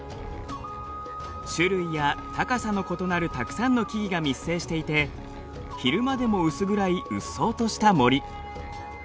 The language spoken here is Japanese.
種類や高さの異なるたくさんの木々が密生していて昼間でも薄暗いうっそうとした森。